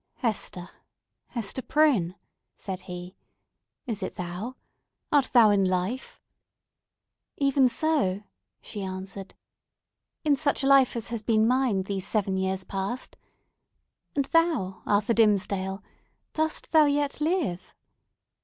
"Hester! Hester Prynne!", said he; "is it thou? Art thou in life?" "Even so." she answered. "In such life as has been mine these seven years past! And thou, Arthur Dimmesdale, dost thou yet live?"